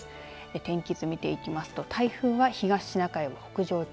天気図、見ていきますと台風は東シナ海を北上中。